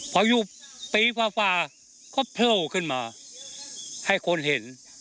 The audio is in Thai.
พออยู่ปีฝ่าก็โผล่ขึ้นมาให้คนเห็น